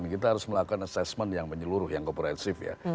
kita harus melakukan assessment yang menyeluruh yang kooperatif ya